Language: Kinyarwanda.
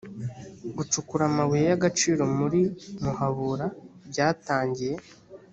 gucukura amabuye y agaciro muri muhabur byatangiye